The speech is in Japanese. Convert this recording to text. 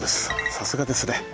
さすがですね。